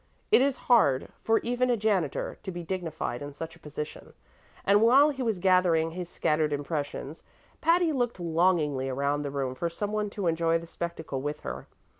It is hard for even a janitor to be dignified in such a position, and while he was gathering his scattered impressions Patty looked longingly around the room for some one to enjoy the spectacle with her.